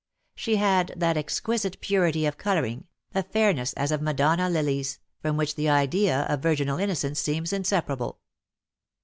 She had that exquisite purity of colour ing, a fairness as of Madonna lilies, from which the idea of virginal innocence seems inseparable.